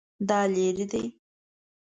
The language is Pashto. دا لیرې دی؟